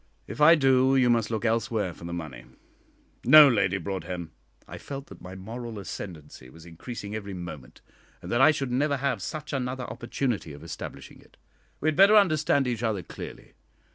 "If I do, you must look elsewhere for the money. No, Lady Broadhem" I felt that my moral ascendancy was increasing every moment, and that I should never have such another opportunity of establishing it "we had better understand each other clearly.